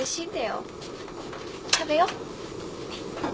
食べよう。